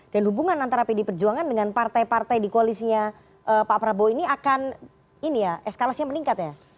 dan hubungan antara pd perjuangan dengan partai partai di koalisinya pak prabowo ini akan eskalasinya meningkat ya